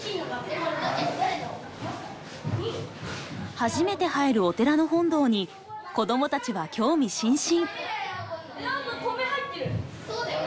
初めて入るお寺の本堂に子どもたちは興味津々。